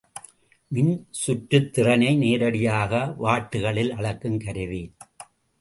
மின்சுற்றுத்திறனை நேரடியாக வாட்டுகளில் அளக்குங் கருவி.